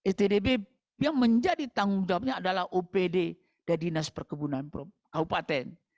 stdb yang menjadi tanggung jawabnya adalah opd dan dinas perkebunan kabupaten